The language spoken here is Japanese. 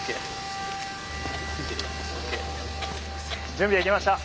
準備できました。